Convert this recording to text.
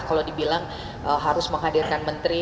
kalau dibilang harus menghadirkan menteri